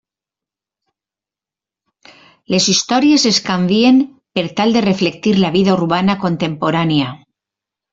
Les històries es canvien per tal de reflectir la vida urbana contemporània.